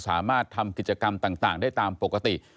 สามารถทำกิจกรรมต่างได้ตามปกติ